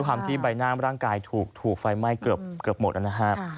ด้วยความที่ใบหน้าร่างกายถูกถูกไฟไหม้เกือบหมดนะฮะ